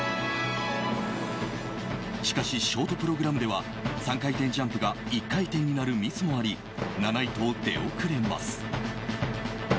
しかし、ショートプログラムでは３回転ジャンプが１回転になるミスもあり７位と出遅れます。